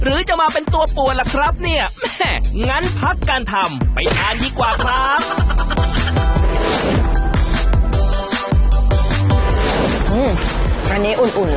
อุ่นกว่านี้หน่อยนะแม่